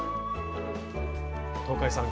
東海さん